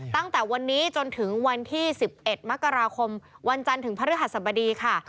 ตั้งแต่วันนี้จนถึงวันที่๑๑มกราคมวันจันทร์ถึงพระฤหัสบดีค่ะ